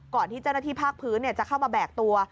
ก่อนที่เจ้าหน้าที่ภาคพื้นเนี่ยจะเข้ามาแบกตัว